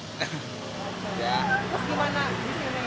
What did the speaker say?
terus gimana di sini